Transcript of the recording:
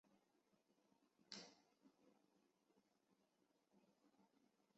科贝特曾是一名纽约的装甲骑送兵。